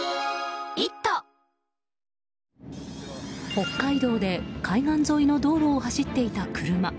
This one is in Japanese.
北海道で海岸沿いの道路を走っていた車。